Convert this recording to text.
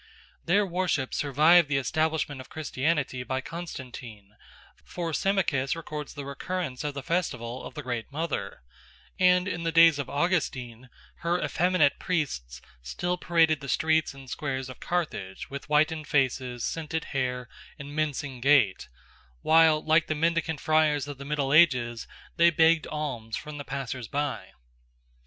Their worship survived the establishment of Christianity by Constantine; for Symmachus records the recurrence of the festival of the Great Mother, and in the days of Augustine her effeminate priests still paraded the streets and squares of Carthage with whitened faces, scented hair, and mincing gait, while, like the mendicant friars of the Middle Ages, they begged alms from the passers by.